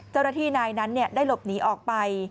เจ้าหน้าที่นายนั้นได้หลบหนีออกไป